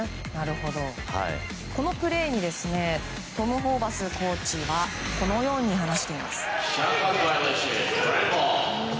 このプレーにトム・ホーバスコーチはこのように話しています。